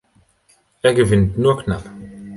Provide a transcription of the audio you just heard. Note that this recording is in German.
Er gewinnt nur knapp.